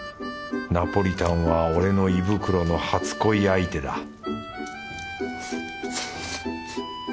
ナポリタンは俺の胃袋の初恋相手だ